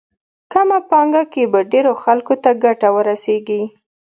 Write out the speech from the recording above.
کمه پانګه کې به ډېرو خلکو ته ګټه ورسېږي.